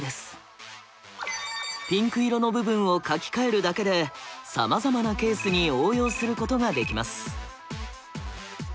ピンク色の部分を書きかえるだけでさまざまなケースに応用することができます。